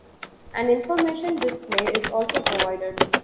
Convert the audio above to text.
An information display is also provided.